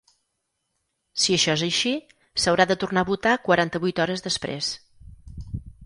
Si això és així, s’haurà de tornar a votar quaranta-vuit hores després.